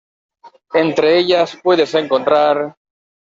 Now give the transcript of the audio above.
Entre ellas puedes encontrar...